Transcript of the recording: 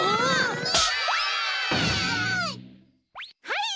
はい。